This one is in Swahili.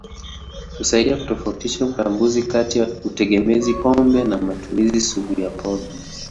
Husaidia kutofautisha utambuzi kati ya utegemezi pombe na matumizi sugu ya pombe.